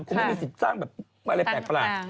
คงไม่มีสิทธิ์สร้างแบบอะไรแปลก